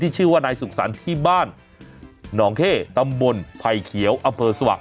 ที่ชื่อว่านายสุขสรรค์ที่บ้านนองเข้ตำบลไพเขียวอเภอสวัสดิ์